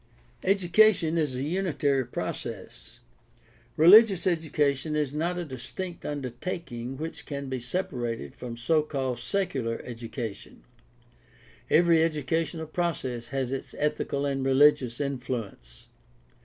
— Education is a unitary process. Religious education is not a distinct undertaking which can be separated from so called "secular" education. Every educational process has its ethical and religious influence.